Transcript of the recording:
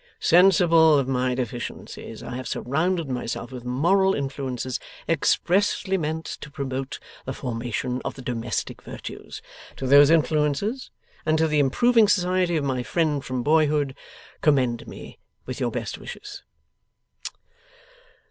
Sensible of my deficiencies, I have surrounded myself with moral influences expressly meant to promote the formation of the domestic virtues. To those influences, and to the improving society of my friend from boyhood, commend me with your best wishes.